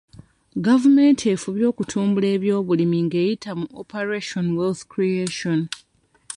Gavumenti efubye okutumbula ebyobulimi ng'eyita mu Operation Wealth Creation.